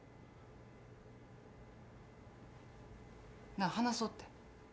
なあ話そうって。